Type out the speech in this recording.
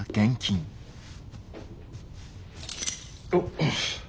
おっ。